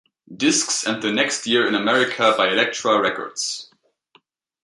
Discs and the next year in America by Elektra Records.